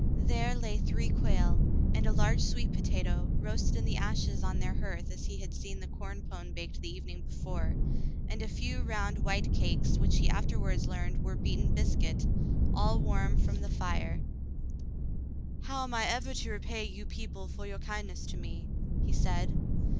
There lay three quail, and a large sweet potato, roasted in the ashes on their hearth as he had seen the corn pone baked the evening before, and a few round white cakes which he afterwards learned were beaten biscuit, all warm from the fire. 52 The Mountain Girl *'How am I ever to repay you people for your kindness to me?" he said.